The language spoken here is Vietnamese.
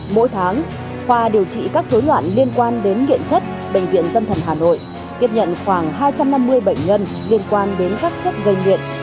mỗi tháng khoa điều trị các dối loạn liên quan đến điện chất bệnh viện tâm thần hà nội tiếp nhận khoảng hai trăm năm mươi bệnh nhân liên quan đến các chất gây nghiện